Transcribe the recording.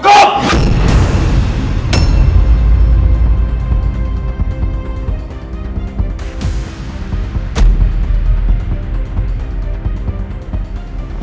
aku bisa diam kan